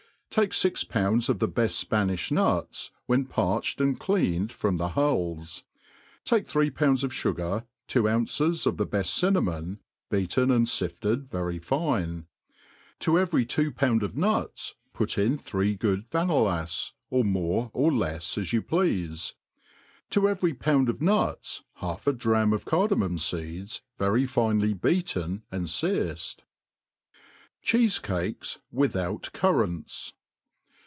TAKE fix pounds of the beft Spaniflx nuti, when parched^ and cleaned, from the hulls^ take three pounds of fti^r, two ounces of the beft cinnamon, beaten and fiftcd very fine ; to ' every tw6 pound of nuts put in three good vaneUs, or more or fcfs as you ple.afe j to every pound of nuts half a drachm of cardamum fceds, very finely beaten an* fearccd. Cheefecahs ufithaut Currants.